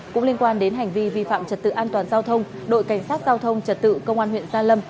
cũng liên quan đến hành vi vi phạm trật tự an toàn giao thông đội cảnh sát giao thông trật tự công an huyện gia lâm